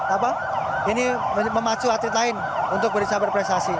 apa ini memacu atlet lain untuk bisa berprestasi